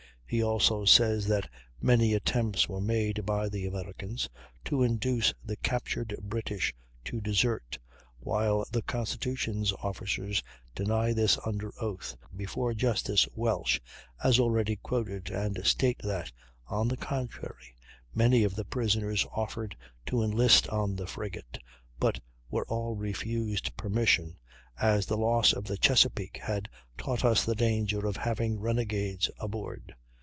He also says that many attempts were made by the Americans to induce the captured British to desert, while the Constitution's officers deny this under oath, before Justice Welsh, as already quoted, and state that, on the contrary, many of the prisoners offered to enlist on the frigate, but were all refused permission as "the loss of the Chesapeake had taught us the danger of having renegades aboard."